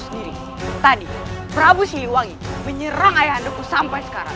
sendiri tadi prabu siliwangi menyerang ayah andaku sampai sekarang